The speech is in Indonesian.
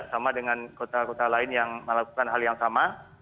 sama dengan kota kota lain yang melakukan hal yang sama